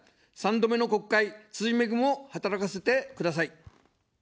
３度目の国会、つじ恵を働かせてください。